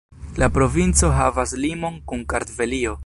La provinco havas limon kun Kartvelio.